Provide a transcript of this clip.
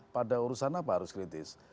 pada urusan apa harus kritis